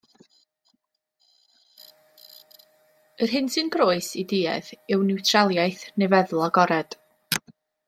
Yr hyn sy'n groes i duedd yw niwtraliaeth neu feddwl agored.